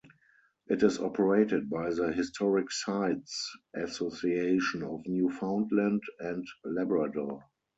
It is operated by the Historic Sites Association of Newfoundland and Labrador.